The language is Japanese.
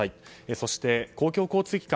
そして公共交通機関。